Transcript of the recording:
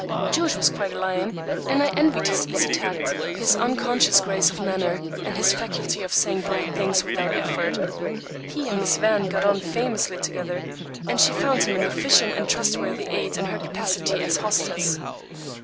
George was quite a lion, and I envied his easy tact, his unconscious grace of manner, and his faculty of saying bright things without effort. He and Miss Van got on famously together, and she found him an efficient and trustworthy aid in her capacity as hostess.